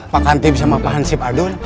pak hanti sama pak hansip adun